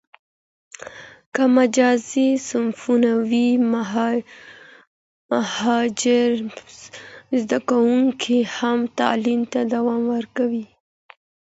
که مجازي صنفونه وي، مهاجر زده کوونکي هم تعلیم ته دوام ورکوي.